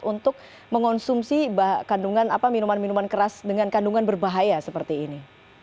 untuk mengonsumsi minuman minuman keras dengan kandungan berbahaya seperti ini